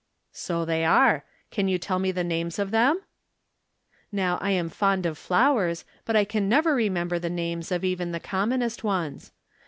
"So they are. Can you tell me the names of them ?" Now I am fond of flowers, but I can never re member the names of even the commonest ones.